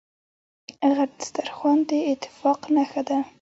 غټ سترخوان داتفاق نښه ده.